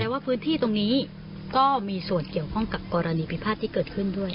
ว่าพื้นที่ตรงนี้ก็มีส่วนเกี่ยวข้องกับกรณีพิพาทที่เกิดขึ้นด้วย